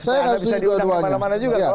anda bisa diundang kemana mana juga